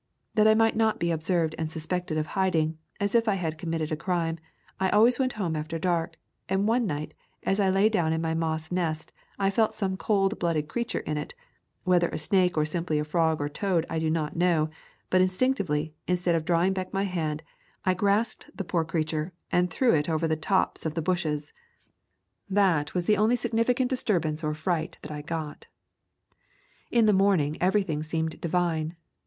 That I might not be observed and suspected of hiding, as if I had committed a crime, I always went home after dark, and one night, as I lay down in my moss nest, I felt some cold blooded creature in it; whether a snake or simply a frog or toad I do not know, but instinctively, instead of drawing back my hand, I grasped the poor creature and threw it over the tops of the bushes. That was [77 ! A Thousand Mile W alk the only significant disturbance or fright that I got. In the morning everything seemed divine.